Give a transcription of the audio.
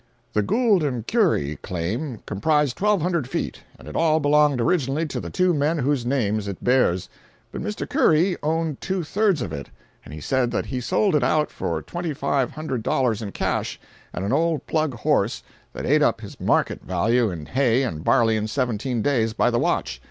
The Gould & Curry claim comprised twelve hundred feet, and it all belonged originally to the two men whose names it bears. Mr. Curry owned two thirds of it—and he said that he sold it out for twenty five hundred dollars in cash, and an old plug horse that ate up his market value in hay and barley in seventeen days by the watch.